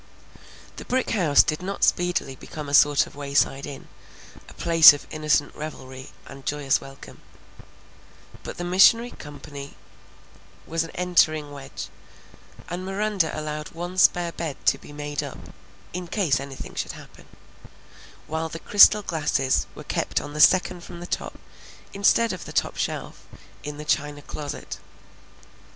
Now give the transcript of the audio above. The brick house did not speedily become a sort of wayside inn, a place of innocent revelry and joyous welcome; but the missionary company was an entering wedge, and Miranda allowed one spare bed to be made up "in case anything should happen," while the crystal glasses were kept on the second from the top, instead of the top shelf, in the china closet.